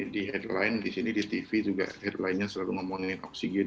di headline di sini di tv juga headline nya selalu ngomongin oksigen